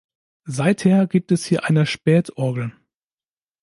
Seither gibt es hier eine Späth-Orgel.